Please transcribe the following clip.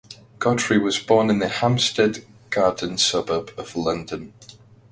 Godfrey was born in the Hampstead Garden Suburb of London.